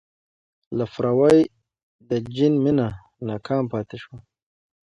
لفروی د جین مینه ناکام پاتې شوه.